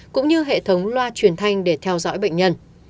cũng như hệ thống loa truyền thanh để theo dõi bệnh nhân